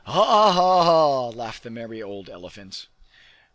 "Haw! Haw! Haw!" laughed the merry old elephant.